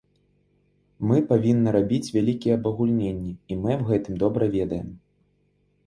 Мы павінны рабіць вялікія абагульненні, і мы аб гэтым добра ведаем.